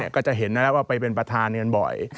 ก็จะเห็นแล้วว่าไปเป็นประธานบ่อย